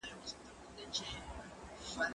خواړه ورکړه!؟